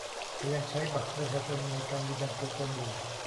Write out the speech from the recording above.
แต่ยังใช้บัตรประชาชนในการยืนยันตัวตนอยู่